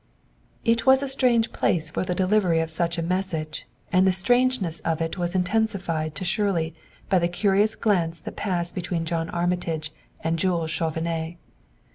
It was a strange place for the delivery of such a message, and the strangeness of it was intensified to Shirley by the curious glance that passed between John Armitage and Jules Chauvenet.